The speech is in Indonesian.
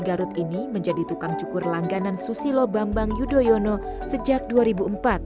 garut ini menjadi tukang cukur langganan susilo bambang yudhoyono sejak dua ribu empat